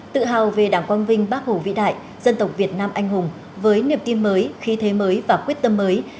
tự hào về đảng quang vinh bác hồ vĩ đại dân tộc việt nam anh hùng với niềm tin mới khí thế mới và quyết tâm mới